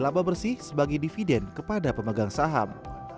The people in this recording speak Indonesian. laba bersih sebagai dividen kepada pemegang saham